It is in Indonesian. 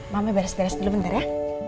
mama ibarat stres dulu bentar ya